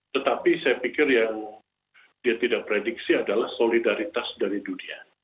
tetapi saya pikir yang dia tidak prediksi adalah solidaritas dari dunia